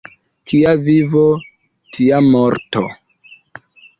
Kia vivo, tia morto.